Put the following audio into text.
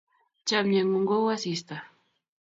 Chomye ng'ung' kou asista.